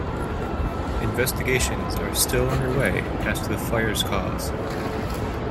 Investigations are still underway as to the fire's cause.